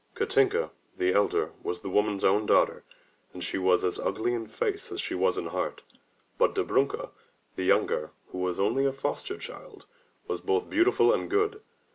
Katinka, the elder, was the woman's own daughter, and she was as ugly in face as she was in heart, but Dobrunka, the younger, who was only a foster child, was both beautiful and good.